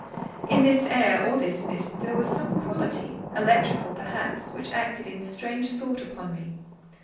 In this air, or this mist, there was some quality—electrical, perhaps—which acted in strange sort upon me.